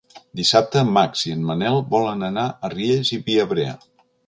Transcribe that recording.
Dissabte en Max i en Manel volen anar a Riells i Viabrea.